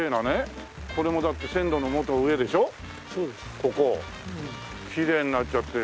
ここきれいになっちゃって。